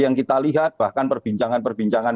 yang kita lihat bahkan perbincangan perbincangan